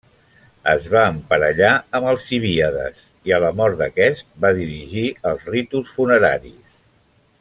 Es va emparellar amb Alcibíades i a la mort d'aquest va dirigir els ritus funeraris.